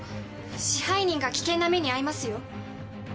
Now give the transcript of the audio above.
支配人が危険な目に遭いますよ。